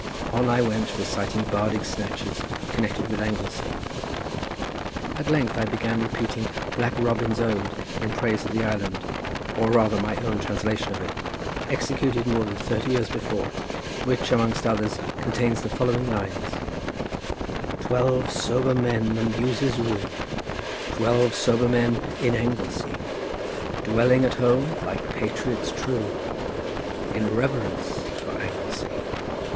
On I went reciting bardic snatches connected with Anglesey. At length I began repeating Black Robin's ode in praise of the island, or rather my own translation of it, executed more than thirty years before, which amongst others, contains the following lines:— "Twelve sober men the muses woo, Twelve sober men in Anglesey, Dwelling at home, like patriots true, In reverence for Anglesey."